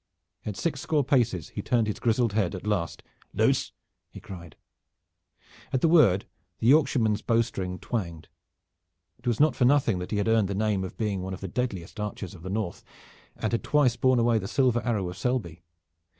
At six score paces he turned his grizzled head at last. "Loose!" he cried. At the word the Yorkshireman's bow string twanged. It was not for nothing that he had earned the name of being one of the deadliest archers of the North and had twice borne away the silver arrow of Selby.